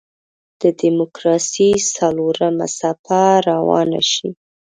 د دیموکراسۍ څلورمه څپه روانه شي.